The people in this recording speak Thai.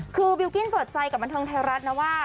คือบิลกิ้นเปิดใจกับบันเทิงไทยรัฐนะว่า